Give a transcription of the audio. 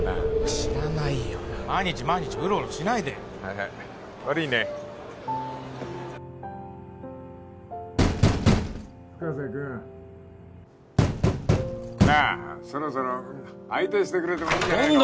知らないよ毎日毎日ウロウロしないではいはい悪いね・深瀬君なあそろそろ相手してくれてもいいんじゃないの？